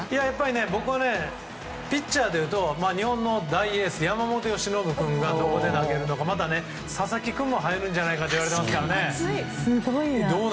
僕はピッチャーでいうと日本の大エース山本由伸君がどこで投げるのかまた佐々木君も入るんじゃないかといわれてますから。